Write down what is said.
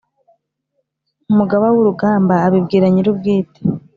umugaba wurugamba abibwira nyirubwite